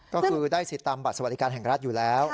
ก็คือได้สิทธิ์ตามบัตรสวัสดิการแห่งรัฐอยู่แล้ว